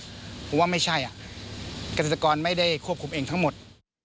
เพราะว่าไม่ใช่เกษตรกรไม่ได้ควบคุมเองทั้งหมด